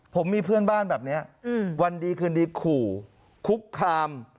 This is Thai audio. ผมมีเพื่อนบ้านแบบนี้วันดีคืนดีขู่คุกคาม